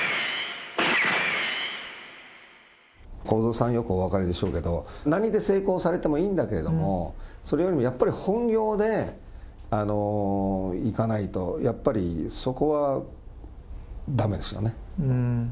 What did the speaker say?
公造さん、よくお分かりでしょうけど、何で成功されてもいいんだけれども、それよりもやっぱり本業でいかないと、やっぱりそこは、だめですよね。